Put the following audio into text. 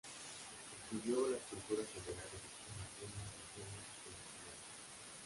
Estudió "La escultura funeraria", en algunas regiones peninsulares.